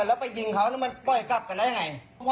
แล้วไปยิงเขาแล้วมันปล่อยกลับกันได้ยังไง